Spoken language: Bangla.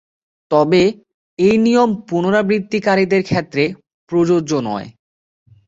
তবে, এই নিয়ম পুনরাবৃত্তিকারীদের ক্ষেত্রে প্রযোজ্য নয়।